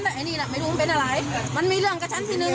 แต่ไอ้นี่แหละไม่รู้มันเป็นอะไรมันมีเรื่องกับชั้นที่หนึ่ง